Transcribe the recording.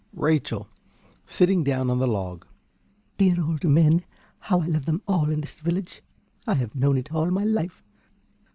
_) ~Rachel~ (sitting down on the log). Dear old men! How I love them all in this village! I have known it all my life.